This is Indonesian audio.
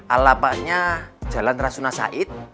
alapaknya jalan rasuna said